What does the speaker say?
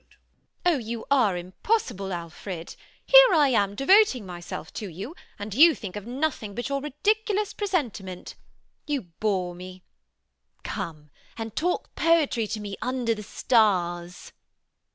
Oh, you are impossible, Alfred. Here I am devoting myself to you; and you think of nothing but your ridiculous presentiment. You bore me. Come and talk poetry to me under the stars.